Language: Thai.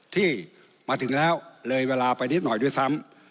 ที่มาถึงแล้วเลยเวลาไปนิดหน่อยด้วยซ้ำ